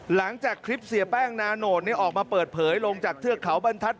หลังจากคลิปเสียแป้งนาโนตออกมาเปิดเผยลงจากเทือกเขาบรรทัศน